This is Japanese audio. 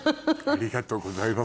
ありがとうございます。